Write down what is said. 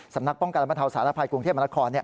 สำนักป้องกันระมะเทาสาณภัยกรุงเทพมนตร์คอ